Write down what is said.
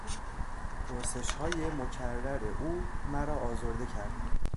پرسشهای مکرر او مرا آزرده کرد.